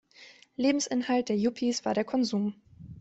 Lebensinhalt der Yuppies war der Konsum.